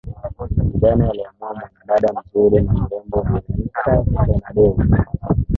Zidane alimuoa mwana dada mzuri na mrembo Veronique Fernandez